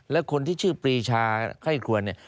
และคนที่ชื่อปรีชาไข้ครวนเนี่ย